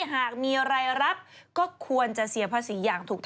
หากมีรายรับก็ควรจะเสียภาษีอย่างถูกต้อง